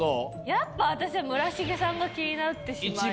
やっぱ私は村重さんが気になってしまいますね。